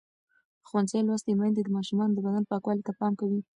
ښوونځې لوستې میندې د ماشومانو د بدن پاکوالي ته پام کوي.